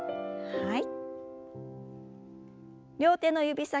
はい。